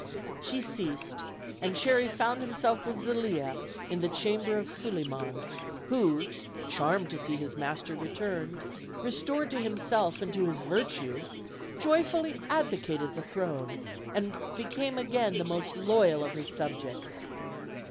She ceased, and Cherry found himself with Zelia in the chamber of Suli man, who, charmed to see his master return, restored to himself and to virtue, joyfully abdicated the throne, and became again the most loyal of his subjects.